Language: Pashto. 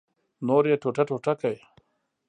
نور یې ټوټه ټوټه کړ.